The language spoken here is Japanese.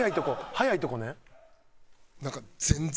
速いとこね。